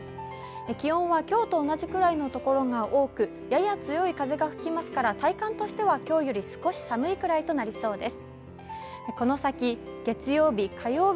気温は今日と同じ所が多くやや強い風が吹きますから体感としては今日よりやや寒いくらいとなりそうです。